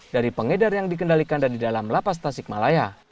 dari pengedar yang dikendalikan dari dalam lapas tasikmalaya